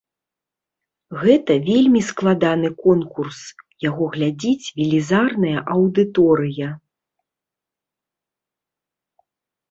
Гэта вельмі складаны конкурс, яго глядзіць велізарная аўдыторыя.